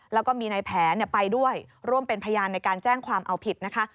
แล้วก็มีนายแผนไปด้วยร่วมเป็นพยานในการแจ้งความเอาผิดนะคะ